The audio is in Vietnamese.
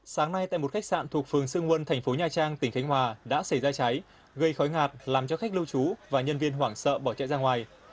sáng nay tại một khách sạn thuộc phường sương muôn thành phố nha trang tỉnh khánh hòa đã xảy ra cháy gây khói ngạt làm cho khách lưu trú và nhân viên hoảng sợ bỏ chạy ra ngoài